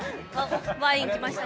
ワイン来ました。